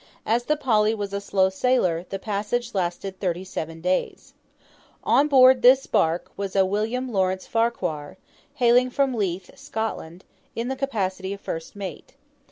As the 'Polly' was a slow sailer, the passage lasted thirty seven days. On board this barque was a William Lawrence Farquhar hailing from Leith, Scotland in the capacity of first mate.